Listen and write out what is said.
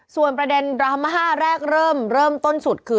ส่วนประเด็นดราม่าแรกเริ่มเริ่มต้นสุดคือ